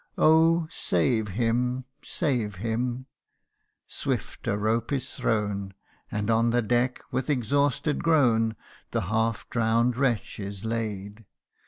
Oh ! save him ! save him ! Swift a rope is thrown, And on the deck, with an exhausted groan, The half drown'd wretch is laid.